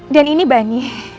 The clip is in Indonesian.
dan ini bunny